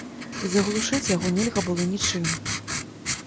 І заглушыць яго нельга было нічым.